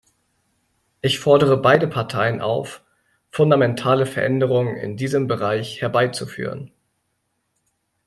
Ich fordere beide Parteien auf, fundamentale Veränderungen in diesem Bereich herbeizuführen.